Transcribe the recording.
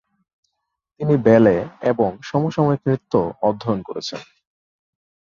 তিনি ব্যালে এবং সমসাময়িক নৃত্য অধ্যয়ন করেছেন।